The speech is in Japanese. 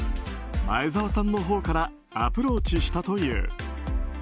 前澤さんのほうからアプローチしたという。